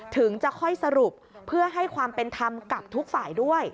ถึงจะค่อยสรุปเพื่อให้ความเป็นธรรมกับทุกฝ่ายด้วย